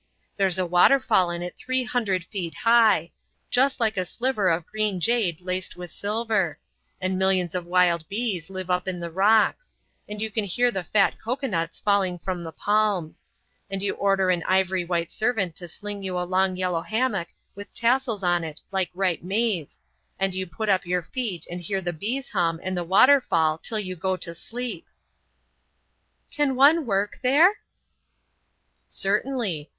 There's a waterfall in it three hundred feet high, just like a sliver of green jade laced with silver; and millions of wild bees live up in the rocks; and you can hear the fat cocoanuts falling from the palms; and you order an ivory white servant to sling you a long yellow hammock with tassels on it like ripe maize, and you put up your feet and hear the bees hum and the water fall till you go to sleep." "Can one work there?" "Certainly.